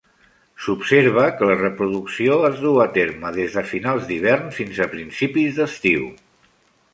S'observa que la reproducció es duu a terme des de finals d'hivern fins a principis d'estiu.